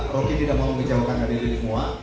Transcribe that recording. roky tidak mau mengejauhkan dari diri semua